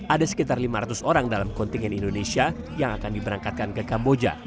ada sekitar lima ratus orang dalam kontingen indonesia yang akan diberangkatkan ke kamboja